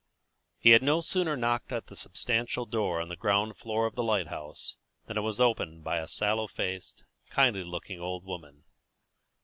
He had no sooner knocked at the substantial door on the ground floor of the lighthouse than it was opened by a sallow faced, kindly looking old woman.